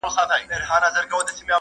دواړه سم د قلندر په ننداره سول.!